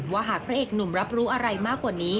หากพระเอกหนุ่มรับรู้อะไรมากกว่านี้